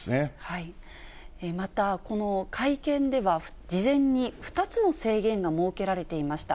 また、この会見では事前に２つの制限が設けられていました。